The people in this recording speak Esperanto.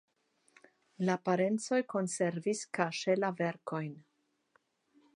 La parencoj konservis kaŝe la verkojn.